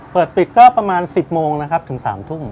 เปิดปิดก็ประมาณ๑๐โมงนะครับถึง๓ทุ่ม